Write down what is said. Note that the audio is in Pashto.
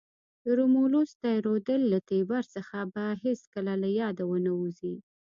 د رومولوس تی رودل له تیبر څخه به مې هیڅکله له یاده ونه وزي.